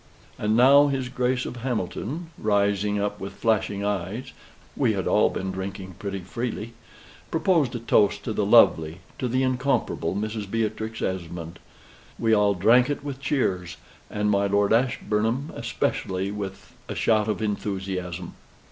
And now his Grace of Hamilton, rising up with flashing eyes (we had all been drinking pretty freely), proposed a toast to the lovely, to the incomparable Mrs. Beatrix Esmond; we all drank it with cheers, and my Lord Ashburnham especially, with a shout of enthusiasm.